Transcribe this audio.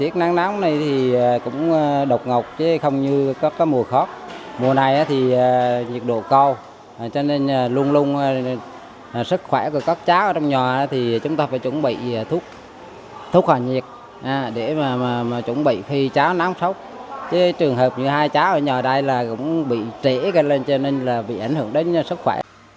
trường hợp như hai cháu ở nhà đây cũng bị trễ lên cho nên bị ảnh hưởng đến sức khỏe